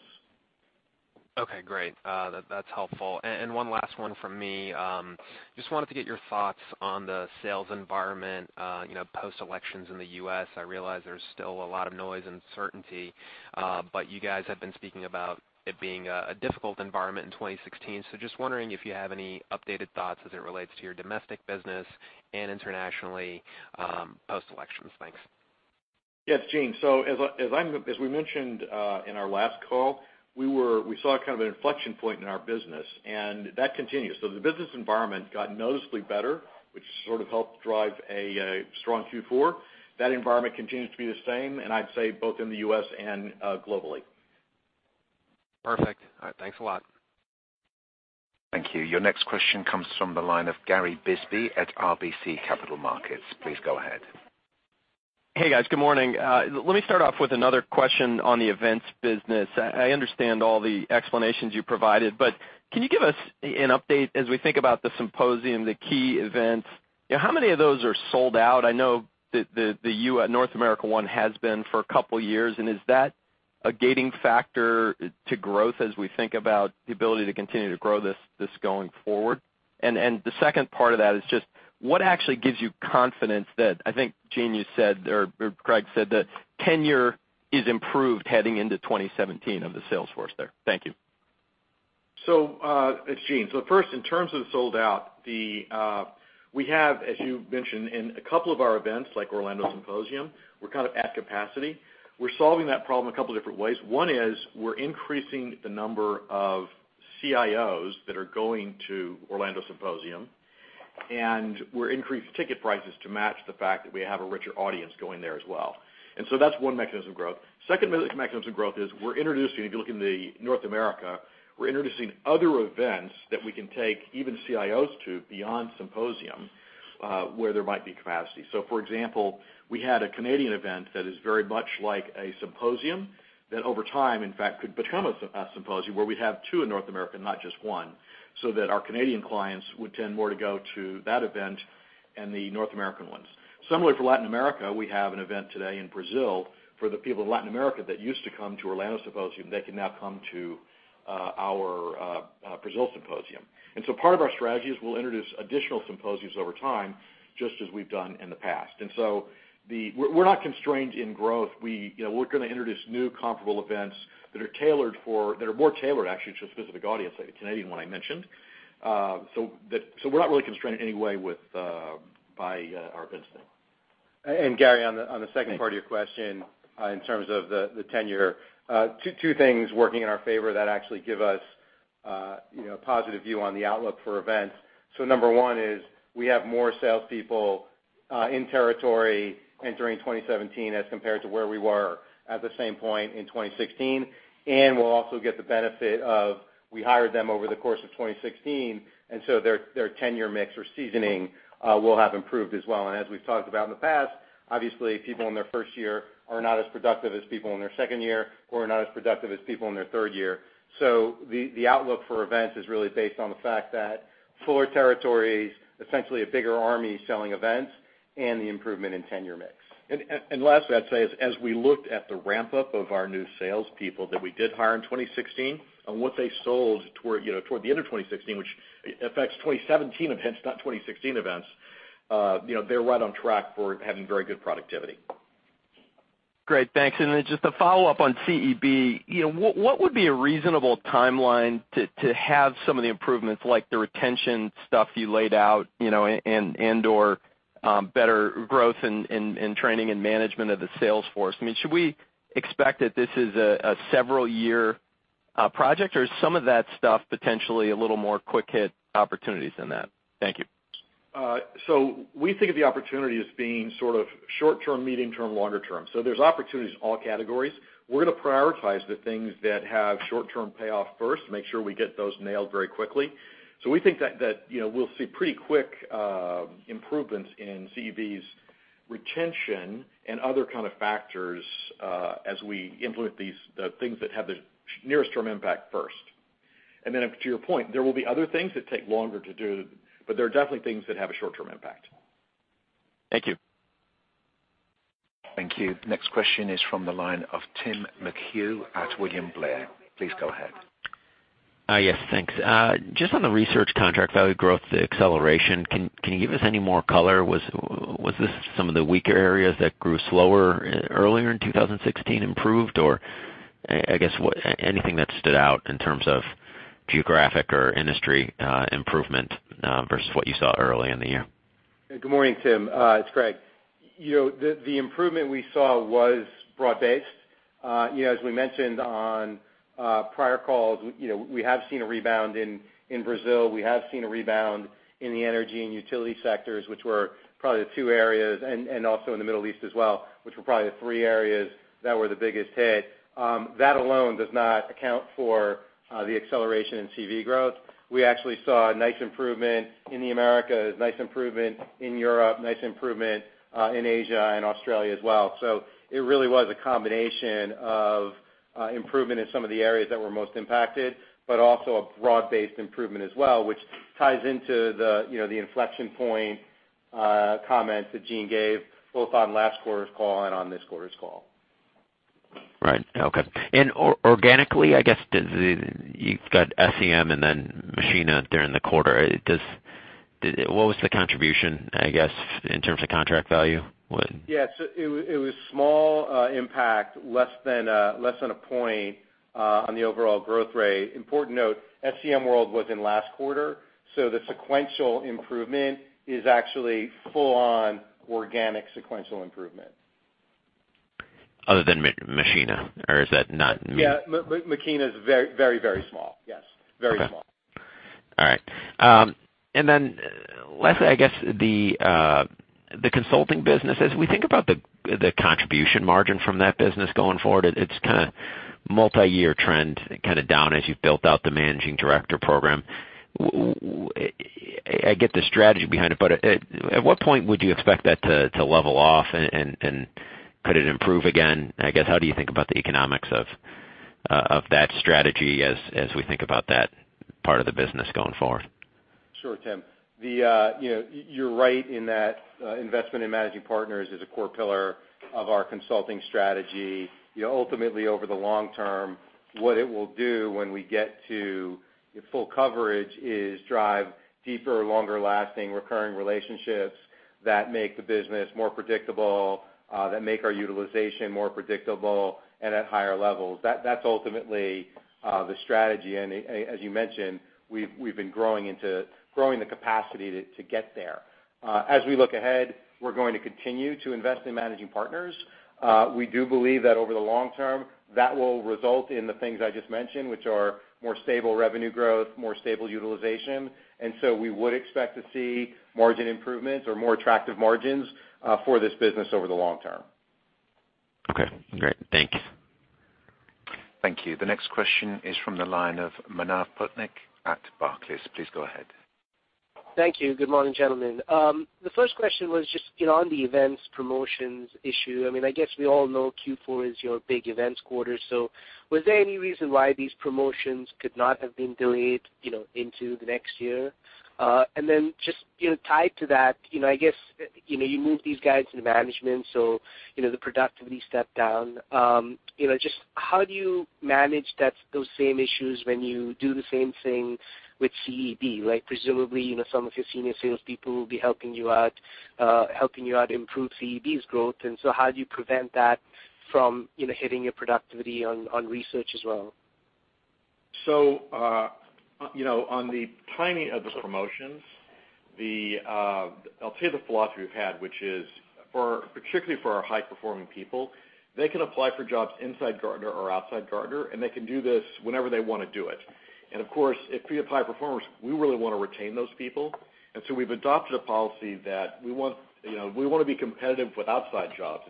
Okay, great. That's helpful. One last one from me. Just wanted to get your thoughts on the sales environment post-elections in the U.S. I realize there's still a lot of noise and uncertainty, you guys have been speaking about it being a difficult environment in 2016. Just wondering if you have any updated thoughts as it relates to your domestic business and internationally post-elections. Thanks. Yes, Gene. As we mentioned in our last call, we saw kind of an inflection point in our business, and that continues. The business environment got noticeably better, which sort of helped drive a strong Q4. That environment continues to be the same, and I'd say both in the U.S. and globally. Perfect. All right. Thanks a lot. Thank you. Your next question comes from the line of Gary Bisbee at RBC Capital Markets. Please go ahead. Hey, guys. Good morning. Let me start off with another question on the events business. I understand all the explanations you provided, but can you give us an update as we think about the Symposium, the key events? How many of those are sold out? I know the North America one has been for a couple of years, and is that a gating factor to growth as we think about the ability to continue to grow this going forward? The second part of that is just what actually gives you confidence that, I think, Gene, you said, or Craig said that tenure is improved heading into 2017 of the sales force there. Thank you. It's Gene. First, in terms of sold out, we have, as you mentioned, in a couple of our events, like Orlando Symposium, we're kind of at capacity. We're solving that problem a couple different ways. One is we're increasing the number of CIOs that are going to Orlando Symposium, and we're increasing ticket prices to match the fact that we have a richer audience going there as well. That's one mechanism of growth. Second mechanism of growth is we're introducing, if you look in North America, we're introducing other events that we can take even CIOs to beyond Symposium, where there might be capacity. For example, we had a Canadian event that is very much like a Symposium that over time, in fact, could become a Symposium where we'd have two in North America, not just one, so that our Canadian clients would tend more to go to that event and the North American ones. Similarly for Latin America, we have an event today in Brazil for the people of Latin America that used to come to Orlando Symposium, they can now come to our Brazil Symposium. Part of our strategy is we'll introduce additional Symposiums over time, just as we've done in the past. We're not constrained in growth. We're going to introduce new comparable events that are more tailored, actually, to a specific audience, like the Canadian one I mentioned. We're not really constrained in any way by our events team. Gary, on the second part of your question, in terms of the tenure, two things working in our favor that actually give us a positive view on the outlook for events. Number one is we have more salespeople in territory entering 2017 as compared to where we were at the same point in 2016. We'll also get the benefit of we hired them over the course of 2016, and so their tenure mix or seasoning will have improved as well. As we've talked about in the past, obviously, people in their first year are not as productive as people in their second year, who are not as productive as people in their third year. The outlook for events is really based on the fact that fuller territories, essentially a bigger army selling events, and the improvement in tenure mix. Lastly, I'd say is as we looked at the ramp-up of our new salespeople that we did hire in 2016, and what they sold toward the end of 2016, which affects 2017 events, not 2016 events, they're right on track for having very good productivity. Great, thanks. Then just a follow-up on CEB. What would be a reasonable timeline to have some of the improvements like the retention stuff you laid out, and/or better growth in training and management of the sales force? I mean, should we expect that this is a several year project, or is some of that stuff potentially a little more quick hit opportunities than that? Thank you. We think of the opportunity as being sort of short term, medium term, longer term. There's opportunities in all categories. We're going to prioritize the things that have short-term payoff first, make sure we get those nailed very quickly. We think that we'll see pretty quick improvements in CEB's retention and other kind of factors as we implement the things that have the nearest term impact first. Then to your point, there will be other things that take longer to do, but there are definitely things that have a short-term impact. Thank you. Thank you. Next question is from the line of Tim McHugh at William Blair. Please go ahead. Yes, thanks. Just on the research contract value growth acceleration, can you give us any more color? Was this some of the weaker areas that grew slower earlier in 2016 improved? I guess anything that stood out in terms of geographic or industry improvement versus what you saw early in the year? Good morning, Tim. It's Craig. The improvement we saw was broad-based. As we mentioned on prior calls, we have seen a rebound in Brazil. We have seen a rebound in the energy and utility sectors, which were probably the two areas, and also in the Middle East as well, which were probably the three areas that were the biggest hit. That alone does not account for the acceleration in CV growth. We actually saw a nice improvement in the Americas, nice improvement in Europe, nice improvement in Asia and Australia as well. It really was a combination of improvement in some of the areas that were most impacted, but also a broad-based improvement as well, which ties into the inflection point comments that Gene gave both on last quarter's call and on this quarter's call. Right. Okay. Organically, I guess, you've got SCM and then Machina during the quarter. What was the contribution, I guess, in terms of contract value? Yeah. It was small impact, less than a point, on the overall growth rate. Important note, SCM World was in last quarter, the sequential improvement is actually full on organic sequential improvement. Other than Machina, or is that not me? Yeah. Machina is very, very small. Yes. Very small. Okay. All right. Lastly, I guess the consulting business, as we think about the contribution margin from that business going forward, it's kind of multiyear trend kind of down as you've built out the managing director program. I get the strategy behind it, but at what point would you expect that to level off and could it improve again? I guess how do you think about the economics of that strategy as we think about that part of the business going forward? Sure, Tim. You're right in that investment in managing partners is a core pillar of our consulting strategy. Ultimately, over the long term, what it will do when we get to full coverage is drive deeper, longer lasting recurring relationships that make the business more predictable, that make our utilization more predictable and at higher levels. That's ultimately the strategy, and as you mentioned, we've been growing the capacity to get there. As we look ahead, we're going to continue to invest in managing partners. We do believe that over the long term, that will result in the things I just mentioned, which are more stable revenue growth, more stable utilization. We would expect to see margin improvements or more attractive margins for this business over the long term. Okay, great. Thank you. Thank you. The next question is from the line of Manav Patnaik at Barclays. Please go ahead. Thank you. Good morning, gentlemen. The first question was just on the events promotions issue. I guess we all know Q4 is your big events quarter, so was there any reason why these promotions could not have been delayed into the next year? Then just tied to that, I guess, you moved these guys into management, so the productivity stepped down. Just how do you manage those same issues when you do the same thing with CEB, right? Presumably, some of your senior salespeople will be helping you out improve CEB's growth, so how do you prevent that from hitting your productivity on research as well? On the timing of the promotions, I'll tell you the philosophy we've had, which is, particularly for our high-performing people, they can apply for jobs inside Gartner or outside Gartner, and they can do this whenever they want to do it. Of course, if we have high performers, we really want to retain those people. We've adopted a policy that we want to be competitive with outside jobs.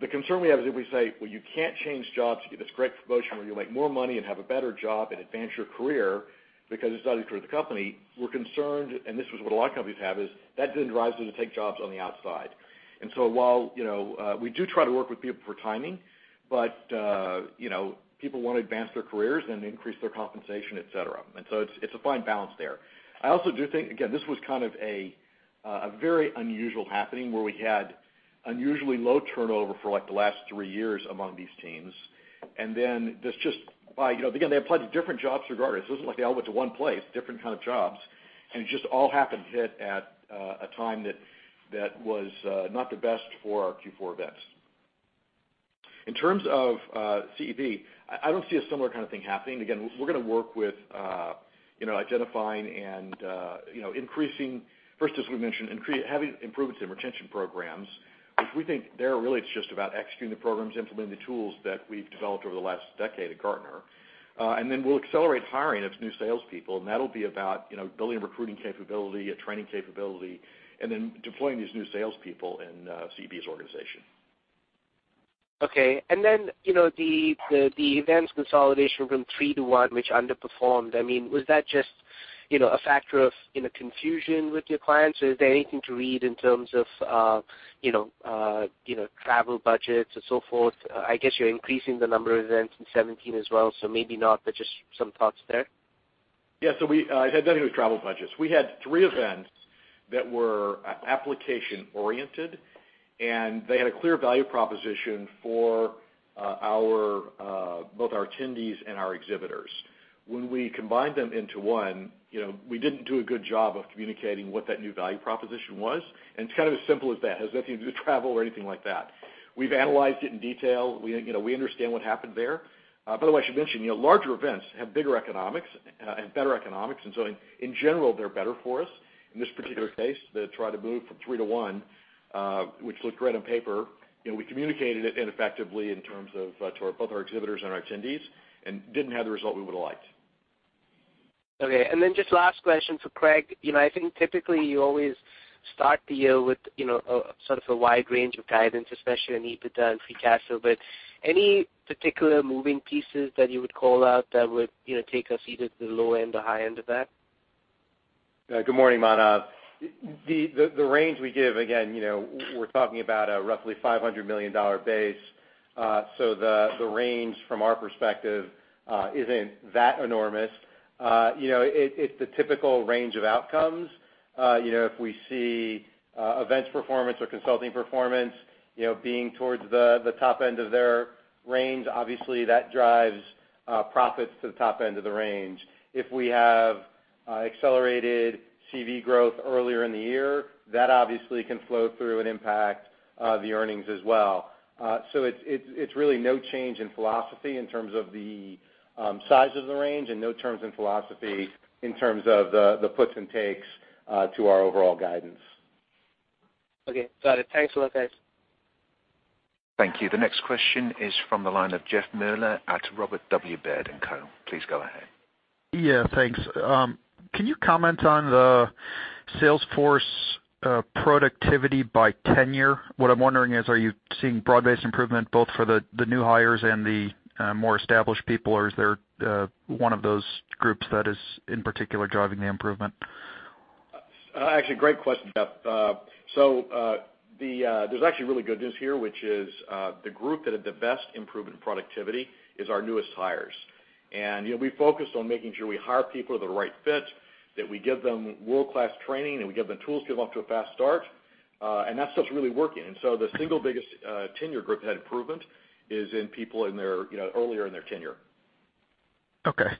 The concern we have is if we say, "Well, you can't change jobs, you get this great promotion where you'll make more money and have a better job and advance your career because it's not good for the company," we're concerned, and this was what a lot of companies have, is that then drives them to take jobs on the outside. While we do try to work with people for timing, but people want to advance their careers and increase their compensation, et cetera. It's a fine balance there. I also do think, again, this was kind of a very unusual happening where we had unusually low turnover for the last three years among these teams. This just by, again, they applied to different jobs through Gartner. This isn't like they all went to one place, different kind of jobs, and it just all happened to hit at a time that was not the best for our Q4 events. In terms of CEB, I don't see a similar kind of thing happening. Again, we're going to work with identifying and increasing, first, as we mentioned, having improvements in retention programs, which we think there really it's just about executing the programs, implementing the tools that we've developed over the last decade at Gartner. We'll accelerate hiring of new salespeople, and that'll be about building recruiting capability, a training capability, and then deploying these new salespeople in CEB's organization. Okay. The events consolidation from three to one, which underperformed, was that just a factor of confusion with your clients? Or is there anything to read in terms of travel budgets or so forth? I guess you're increasing the number of events in 2017 as well, so maybe not, but just some thoughts there. Yeah. It had nothing with travel budgets. We had three events that were application-oriented, and they had a clear value proposition for both our attendees and our exhibitors. When we combined them into one, we didn't do a good job of communicating what that new value proposition was, and it's kind of as simple as that. It has nothing to do with travel or anything like that. We've analyzed it in detail. We understand what happened there. By the way, I should mention, larger events have bigger economics and better economics, and so in general, they're better for us. In this particular case, they try to move from three to one, which looked great on paper. We communicated it ineffectively in terms of to both our exhibitors and our attendees and didn't have the result we would've liked. Okay. Just last question to Craig. I think typically you always start the year with sort of a wide range of guidance, especially in EBITDA and free cash flow, any particular moving pieces that you would call out that would take us either to the low end or high end of that? Good morning, Manav. The range we give, again, we're talking about a roughly $500 million base. The range from our perspective isn't that enormous. It's the typical range of outcomes. If we see events performance or consulting performance being towards the top end of their range, obviously that drives profits to the top end of the range. If we have accelerated CV growth earlier in the year, that obviously can flow through and impact the earnings as well. It's really no change in philosophy in terms of the size of the range and no terms in philosophy in terms of the puts and takes to our overall guidance. Okay. Got it. Thanks a lot, guys. Thank you. The next question is from the line of Jeff Meuler at Robert W. Baird & Co. Please go ahead. Yeah, thanks. Can you comment on the sales force productivity by tenure? What I'm wondering is, are you seeing broad-based improvement both for the new hires and the more established people or is there one of those groups that is in particular driving the improvement? Actually, great question, Jeff. There's actually really good news here, which is the group that had the best improvement in productivity is our newest hires. We focused on making sure we hire people with the right fit, that we give them world-class training, and we give them tools to get off to a fast start. That stuff's really working. The single biggest tenure group that had improvement is in people earlier in their tenure. Okay.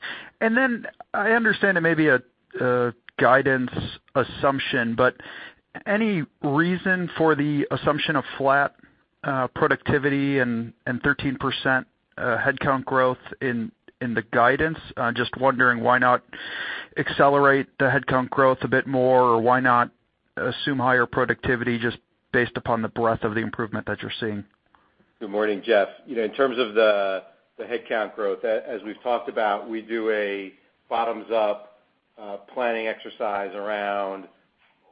I understand it may be a guidance assumption, but any reason for the assumption of flat productivity and 13% headcount growth in the guidance? Just wondering why not accelerate the headcount growth a bit more, or why not assume higher productivity just based upon the breadth of the improvement that you're seeing? Good morning, Jeff. In terms of the headcount growth, as we've talked about, we do a bottoms-up planning exercise around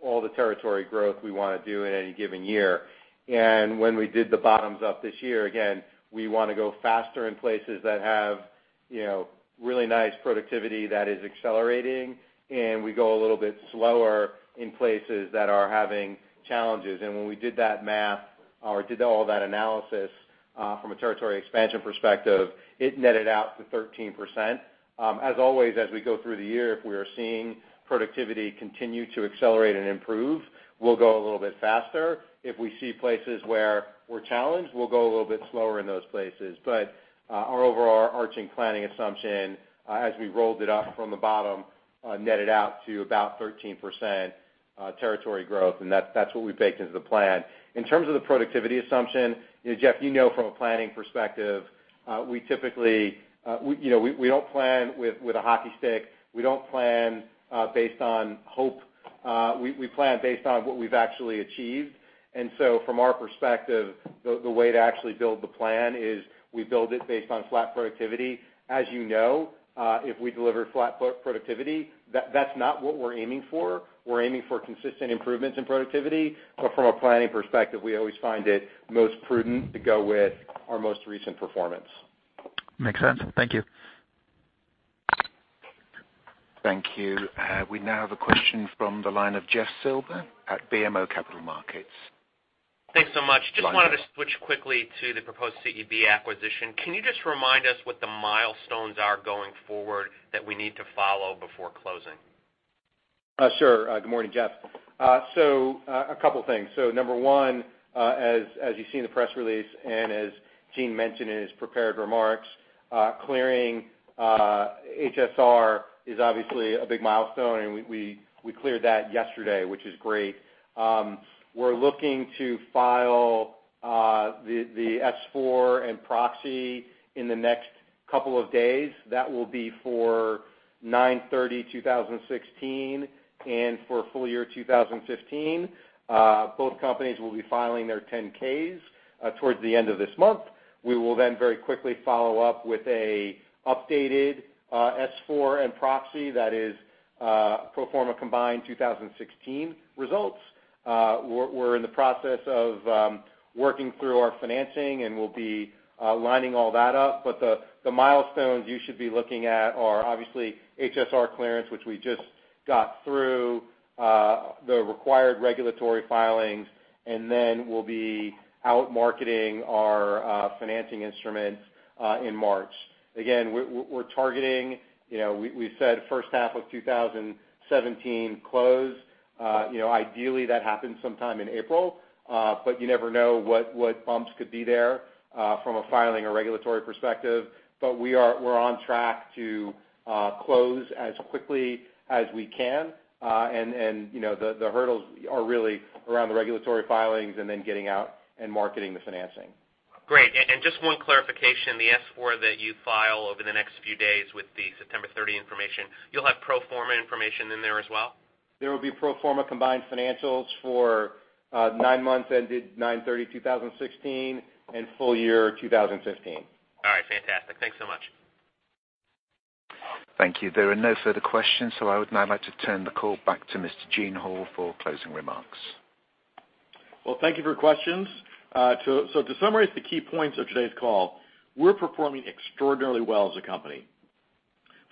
all the territory growth we want to do in any given year. When we did the bottoms-up this year, again, we want to go faster in places that have really nice productivity that is accelerating, and we go a little bit slower in places that are having challenges. When we did that math or did all that analysis from a territory expansion perspective, it netted out to 13%. As always, as we go through the year, if we are seeing productivity continue to accelerate and improve, we'll go a little bit faster. If we see places where we're challenged, we'll go a little bit slower in those places. Our overall-arching planning assumption, as we rolled it up from the bottom, netted out to about 13% territory growth, and that's what we baked into the plan. In terms of the productivity assumption, Jeff, you know from a planning perspective, we don't plan with a hockey stick. We don't plan based on hope. We plan based on what we've actually achieved. From our perspective, the way to actually build the plan is we build it based on flat productivity. As you know, if we deliver flat productivity, that's not what we're aiming for. We're aiming for consistent improvements in productivity. From a planning perspective, we always find it most prudent to go with our most recent performance. Makes sense. Thank you. Thank you. We now have a question from the line of Jeff Silber at BMO Capital Markets. Thanks so much. Just wanted to switch quickly to the proposed CEB acquisition. Can you just remind us what the milestones are going forward that we need to follow before closing? Sure. Good morning, Jeff. A couple of things. Number one, as you see in the press release and as Gene mentioned in his prepared remarks, clearing HSR is obviously a big milestone, and we cleared that yesterday, which is great. We're looking to file the S-4 and proxy in the next couple of days. That will be for 9/30/2016 and for full year 2015. Both companies will be filing their 10-Ks towards the end of this month. We will very quickly follow up with an updated S-4 and proxy that is pro forma combined 2016 results. We're in the process of working through our financing, and we'll be lining all that up. The milestones you should be looking at are obviously HSR clearance, which we just got through, the required regulatory filings, and we'll be out marketing our financing instruments in March. Again, we're targeting, we said first half of 2017 close. Ideally, that happens sometime in April. You never know what bumps could be there from a filing or regulatory perspective. We're on track to close as quickly as we can. The hurdles are really around the regulatory filings and getting out and marketing the financing. Great. Just one clarification, the S-4 that you file over the next few days with the September 30 information, you'll have pro forma information in there as well? There will be pro forma combined financials for nine months ended September 30, 2016 and full year 2015. All right. Fantastic. Thanks so much. Thank you. There are no further questions. I would now like to turn the call back to Mr. Gene Hall for closing remarks. Well, thank you for your questions. To summarize the key points of today's call, we're performing extraordinarily well as a company.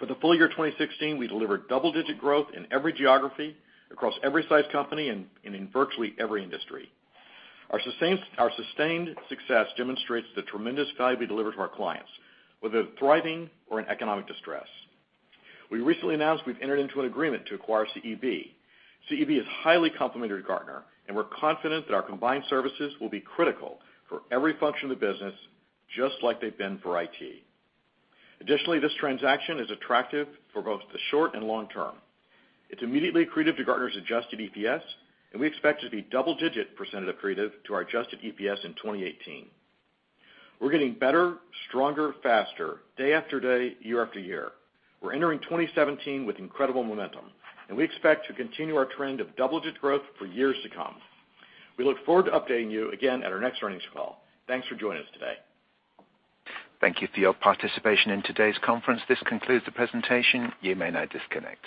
For the full year 2016, we delivered double-digit growth in every geography, across every size company, and in virtually every industry. Our sustained success demonstrates the tremendous value we deliver to our clients, whether thriving or in economic distress. We recently announced we've entered into an agreement to acquire CEB. CEB is highly complementary to Gartner, and we're confident that our combined services will be critical for every function of the business, just like they've been for IT. Additionally, this transaction is attractive for both the short and long term. It's immediately accretive to Gartner's adjusted EPS, and we expect it to be double-digit percentage accretive to our adjusted EPS in 2018. We're getting better, stronger, faster, day after day, year after year. We're entering 2017 with incredible momentum. We expect to continue our trend of double-digit growth for years to come. We look forward to updating you again at our next earnings call. Thanks for joining us today. Thank you for your participation in today's conference. This concludes the presentation. You may now disconnect.